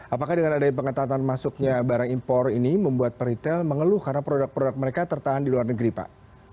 apakah dengan adanya pengetatan masuknya barang impor ini membuat peritel mengeluh karena produk produk mereka tertahan di luar negeri pak